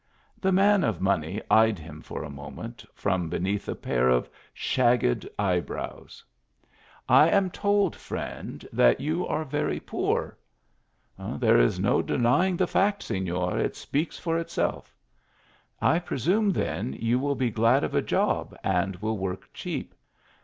The man of money eyed him for a moment, from beneath a pair of shagged eyebrows. " J am told, friend, that you are very poor." " There is no denying the fact, Seiior ; it speaks for itself." " I presume, then, you will be glad of a job, and will work cheap."